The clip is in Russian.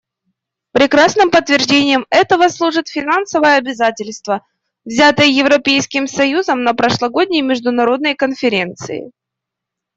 Прекрасным подтверждением этого служит финансовое обязательство, взятое Европейским союзом на прошлогодней международной конференции.